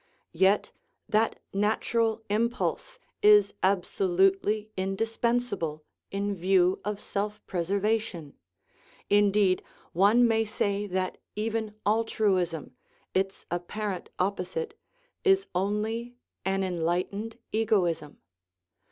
Yet that natural impulse is ab solutely indispensable in view of self preservation; indeed, one may say that even altruism, its apparent opposite, is only an enlightened egoism.